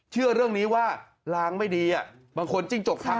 เชื่อเรื่องนี้ว่าล้างไม่ดีบางคนจริงจก๊อกทัพอ่ะ